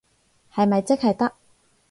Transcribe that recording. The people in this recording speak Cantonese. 係咪即係得？